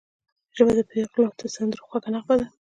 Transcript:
ژبه د پېغلو د سندرو خوږه نغمه ده